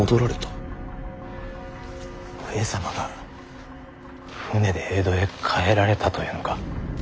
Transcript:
上様が船で江戸へ帰られたというのか。